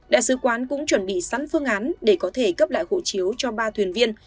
đại sứ quán cũng chuẩn bị sẵn phương án để có thể cấp lại hộ chiếu cho ba thuyền viên